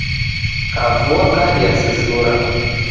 Kavua kaw'iashushura.